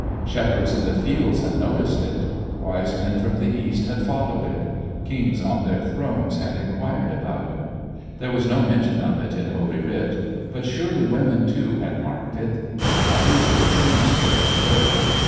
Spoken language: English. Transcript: Shepherds in the fields had noticed it. Wise Men from the East had followed it. Kings on their thrones had inquired about it. There was no mention of it in Holy Writ, but surely women, too, had marked it. At least it seemed so to her.